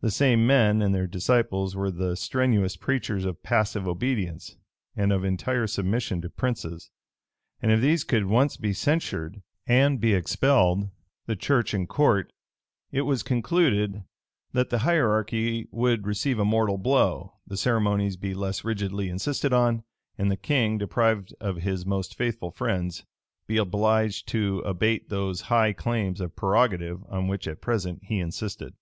The same men and their disciples were the strenuous preachers of passive obedience, and of entire submission to princes; and if these could once be censured, and be expelled the church and court, it was concluded, that the hierarchy would receive a mortal blow, the ceremonies be less rigidly insisted on, and the king, deprived of his most faithful friends, be obliged to abate those high claims of prerogative on which at present he insisted.